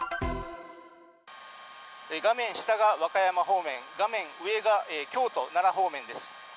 画面下が和歌山方面、画面上が京都奈良方面です。